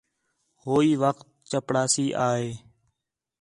ہوئی وخت چپڑاسی آ ہے